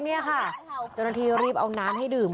เจ้าหน้าที่รีบเอาน้ำให้ดื่ม